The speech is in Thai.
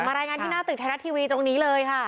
รายงานที่หน้าตึกไทยรัฐทีวีตรงนี้เลยค่ะ